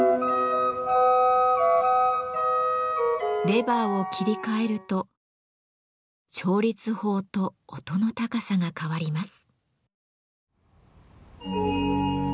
レバーを切り替えると調律法と音の高さが変わります。